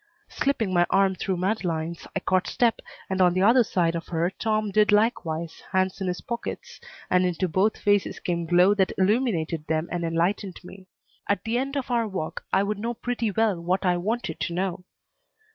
Slipping my arm through Madeleine's, I caught step, and on the other side of her Tom did likewise, hands in his pockets, and into both faces came glow that illuminated them and enlightened me. At the end of our walk I would know pretty well what I wanted to know.